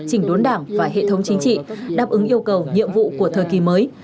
chỉnh đốn đảng và hệ thống chính trị đáp ứng yêu cầu nhiệm vụ của thời kỳ mới